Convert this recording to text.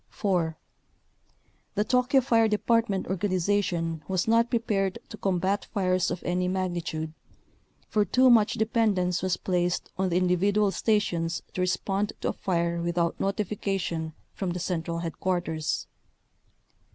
4. The Tokyo fire department organization was not prepared to combat fires of any magni tude, for too much dependence was placed on the individual stations to respond to a fire with out notification from the central headquarters.